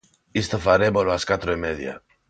Isto farémolo ás catro e media.